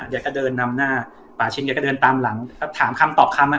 แกก็เดินนำหน้าป่าชินแกก็เดินตามหลังก็ถามคำตอบคำอ่ะ